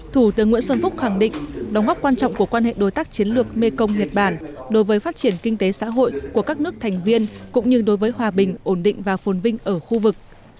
thủ tướng nguyễn xuân phúc khẳng định đóng góp quan trọng của quan hệ đối tác chiến lược mekong nhật bản đối với phát triển kinh tế xã hội của các nước thành viên cũng như đối với hòa bình ổn định và phồn vinh ở khu vực